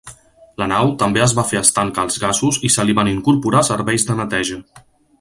La nau també es va fer estanca als gasos i se li van incorporar serveis de neteja.